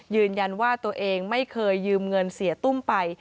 ยืนยันว่าตัวเองไม่เคยยืมเงินเสียตุ้มไป